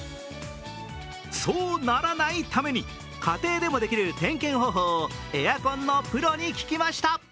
そうならないために、家庭でもできる点検方法をエアコンのプロに聞きました。